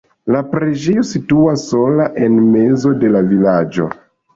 La preĝejo situas sola en mezo de la vilaĝo.